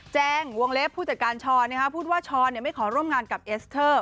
แจ้งวงเล็บผู้จัดการช้อนพูดว่าช้อนไม่ขอร่วมงานกับเอสเตอร์